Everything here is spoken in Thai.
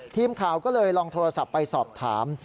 ทีมข่าวก็เลยลองโทรศัพท์ไปสอบถาม